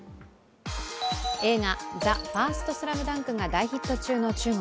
映画「ＴＨＥＦＩＲＳＴＳＬＡＭＤＵＮＫ」が大ヒット中の中国。